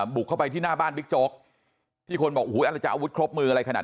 บุกเข้าไปที่หน้าบ้านบิ๊กโจ๊กที่คนบอกโอ้โหอะไรจะอาวุธครบมืออะไรขนาด